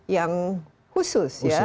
yang khusus ya